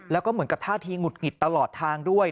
แล้วก็เหมือนกับท่าทีหงุดหงิดตลอดทางด้วย